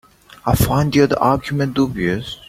I find the other argument dubious.